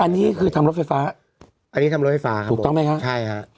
อันนี้คือทำรถไฟฟ้าอันนี้ทำรถไฟฟ้าถูกต้องไหมคะใช่ฮะ